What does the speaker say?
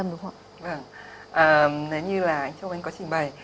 vâng nếu như là anh trông anh có trình bày